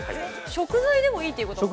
◆食材でもいいということは。